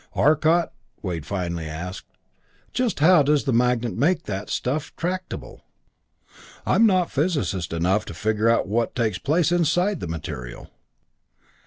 "Arcot," Wade asked finally, "just how does the magnet make that stuff tractable? I'm not physicist enough to figure out what takes place inside the material."